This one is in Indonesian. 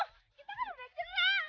kita kan udah jenang